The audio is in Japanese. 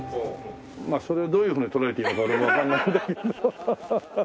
まあそれをどういうふうに捉えていいのか俺もわからないんだけど。